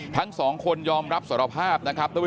ทั้ง๒คนยอมรับสรภาพ